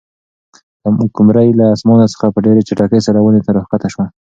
قمرۍ له اسمانه څخه په ډېرې چټکۍ سره ونې ته راښکته شوه.